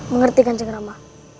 mengerti ganjeng rama